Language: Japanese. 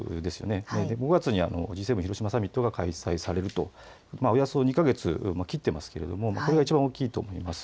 そして５月にＧ７広島サミットが開催されると、およそ２か月切っていますが、これがいちばん大きいと思います。